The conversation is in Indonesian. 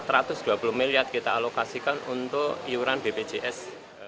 rp dua puluh kita alokasikan untuk iuran bpjs